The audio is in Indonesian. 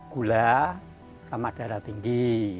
gula sama darah tinggi